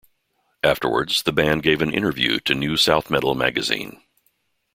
Afterwards, the band gave an interview to New South Metal Magazine.